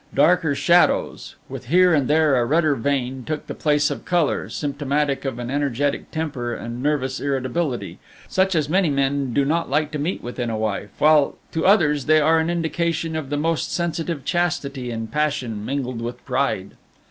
Darker shadows, with here and there a redder vein, took the place of color, symptomatic of an energetic temper and nervous irritability, such as many men do not like to meet with in a wife, while to others they are an indication of the most sensitive chastity and passion mingled with pride.